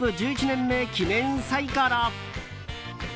１１年目記念サイコロ。